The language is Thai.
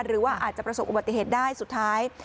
หรือว่าอาจจะประสบอุบัติเหตุได้สุดท้าย